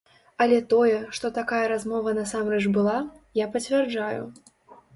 Але тое, што такая размова насамрэч была, я пацвярджаю.